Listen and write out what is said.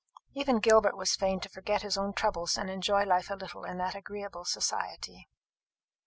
Even Gilbert was fain to forget his own troubles and enjoy life a little in that agreeable society.